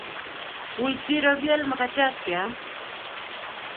Wui siro pial makatiat keam